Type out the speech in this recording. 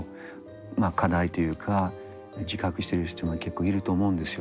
課題というか自覚している人も結構いると思うんですよ。